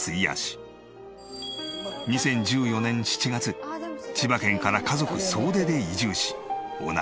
２０１４年７月千葉県から家族総出で移住し御成